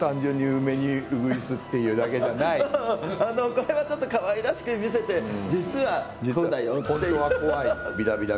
これはちょっとかわいらしく見せて実はこうだよっていう。